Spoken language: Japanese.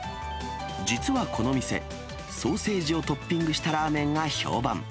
実はこの店、ソーセージをトッピングしたラーメンが評判。